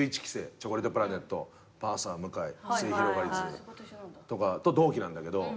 チョコレートプラネットパンサー向井すゑひろがりずとかと同期なんだけど。